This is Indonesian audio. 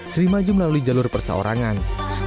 sri maju melalui jalur perseorangan